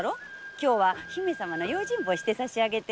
今日は姫様の用心棒をしてさしあげて。